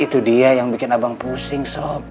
itu dia yang bikin abang pusing sop